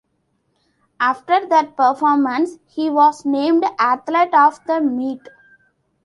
After that performance, he was named Athlete of the Meet.